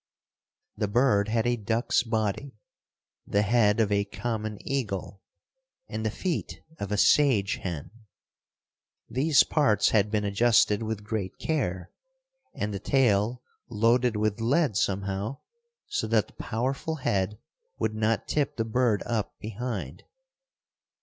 The bird had a duck's body, the head of a common eagle and the feet of a sage hen. These parts had been adjusted with great care and the tail loaded with lead somehow, so that the powerful head would not tip the bird up behind.